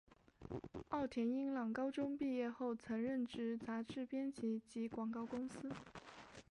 奥田英朗高中毕业后曾任职杂志编辑及广告公司。